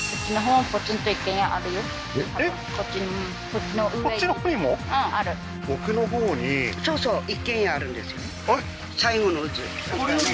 うんある奥のほうにそうそう一軒家あるんですよね